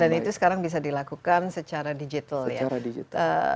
dan itu sekarang bisa dilakukan secara digital ya secara digital